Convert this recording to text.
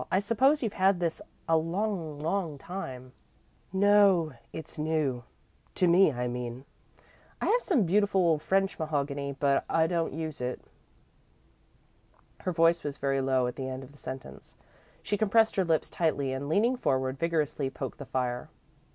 "I suppose you've had this a long, long time." "No, it's new. To me I mean. I have some beautiful old French mahogany, but I don't use it." Her voice was very low at the end of the sentence. She compressed her lips tightly and, leaning forward, vigorously poked the fire.